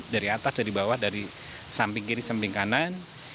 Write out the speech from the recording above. dari atas dari bawah dari samping kiri samping kanan